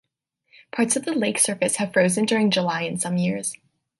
Parts of the lake surface have frozen during July in some years.